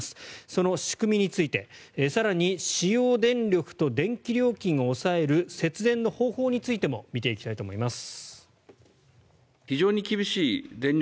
その仕組みについて更に使用電力と電気料金を抑える節電の方法についても見ていきたいと思います。